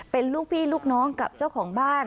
เป็นลูกพี่ลูกน้องกับเจ้าของบ้าน